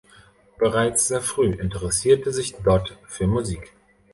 Bereits sehr früh interessierte sich Dodd für Musik.